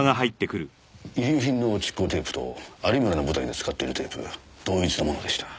遺留品の蓄光テープと有村の舞台で使っているテープ同一のものでした。